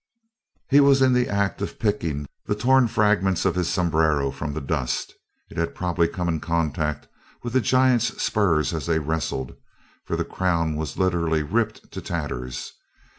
He was in the act of picking the torn fragments of his sombrero from the dust. It had probably come in contact with the giant's spurs as they wrestled, for the crown was literally ripped to tatters.